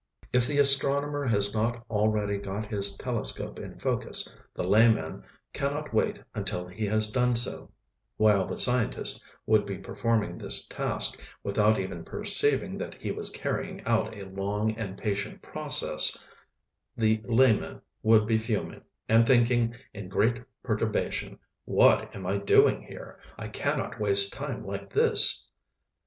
If the astronomer has not already got his telescope in focus, the layman cannot wait until he has done so; while the scientist would be performing this task without even perceiving that he was carrying out a long and patient process, the layman would be fuming, and thinking, in great perturbation: "What am I doing here? I cannot waste time like this."